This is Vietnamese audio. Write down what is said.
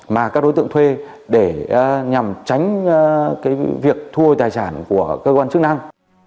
mà các đối tượng thuê để nhằm tránh việc thu hồi tài sản của cơ quan chức năng